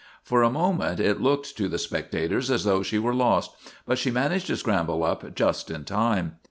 For a moment it looked to the spectators as though she were lost, but she managed to scramble up just in time.